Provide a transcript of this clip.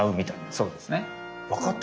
そうですね。